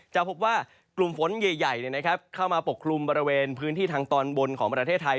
จะพบว่ากลุ่มฝนใหญ่เข้ามาปกคลุมบริเวณพื้นที่ทางตอนบนของประเทศไทย